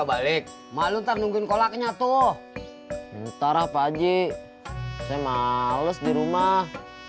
balik malu nungguin kolaknya tuh ntar apa aja saya males di rumah